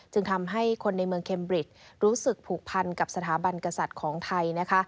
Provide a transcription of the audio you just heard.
จึงทำให้คนในเมืองเคมบริดรู้สึกผูกพันกับสถาบันกษัตริย์ของไทยนะคะ